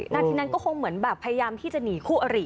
นาทีนั้นก็คงเหมือนแบบพยายามที่จะหนีคู่อริ